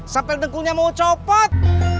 sampai dengkulnya mau copot